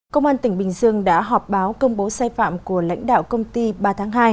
công an tỉnh bình dương đã họp báo công bố sai phạm của lãnh đạo công ty ba tháng hai